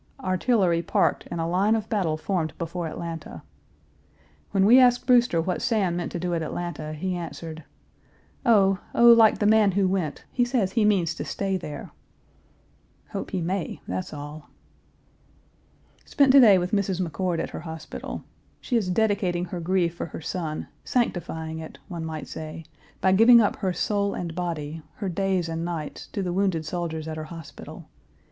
Artillery parked and a line of battle formed before Atlanta. When we asked Brewster what Sam meant to do at Atlanta he answered, "Oh oh, like the man who went, he says he means to stay there!" Hope he may, that's all. Spent to day with Mrs. McCord at her hospital. She is dedicating her grief for her son, sanctifying it, one might say, by giving up her soul and body, her days and nights, to the wounded soldiers at her hospital.